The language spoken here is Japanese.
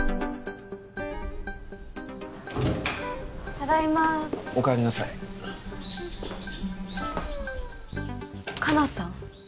ただいまおかえりなさい香菜さん？